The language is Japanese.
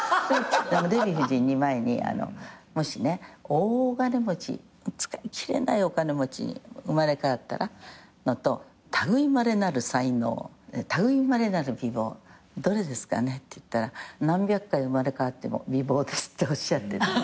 デヴィ夫人に前にもしね大金持ち使い切れないお金持ちに生まれ変わったらのと類いまれなる才能類いまれなる美貌どれですかねって言ったら「何百回生まれ変わっても美貌です」っておっしゃって。